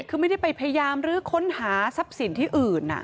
คือไม่ได้ไปพยายามรื้อค้นหาทรัพย์สินที่อื่น